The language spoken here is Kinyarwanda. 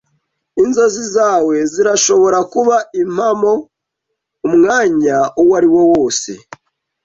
Inzozi zawe zirashobora kuba impamo umwanya uwariwo wose